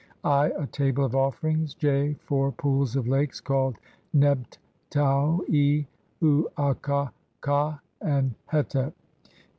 (i) A table of offerings, (j) Four Pools or Lakes called Nebt taui, Uakha, Kha(?), and Hetep.